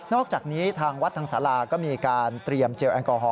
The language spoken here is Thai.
อกจากนี้ทางวัดทางศาลาก็มีการเตรียมเจลแอลกอฮอล